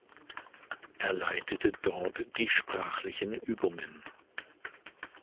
Er leitete dort die sprachlichen Übungen.